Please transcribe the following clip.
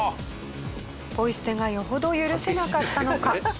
ポイ捨てがよほど許せなかったのか。